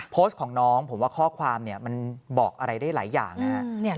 โพสต์ของน้องผมว่าข้อความเนี่ยมันบอกอะไรได้หลายอย่างนะครับ